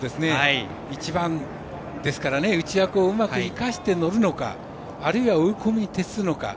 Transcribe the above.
１番ですから内枠を生かして走るのかあるいは追い込みに徹するのか。